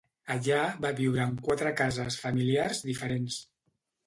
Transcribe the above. Allà va viure en quatre cases familiars diferents.